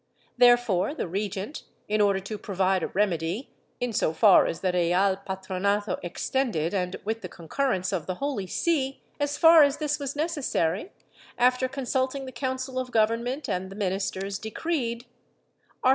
Therefore the Regent, in order to provide a remedy, in so far as the Real Patronato extended and with the concurrence of the Holy See, as far as this was necessary, after consulting the Council of Government and the ministers, decreed — Art.